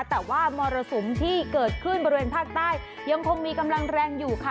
แต่ว่ามรสุมที่เกิดขึ้นบริเวณภาคใต้ยังคงมีกำลังแรงอยู่ค่ะ